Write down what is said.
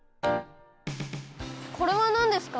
これはなんですか？